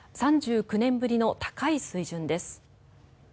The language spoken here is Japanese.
３９年ぶりの高い水準です。